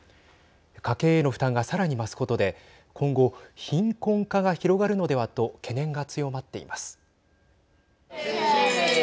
家計への負担がさらに増すことで、今後貧困化が広がるのではと懸念が強まっています。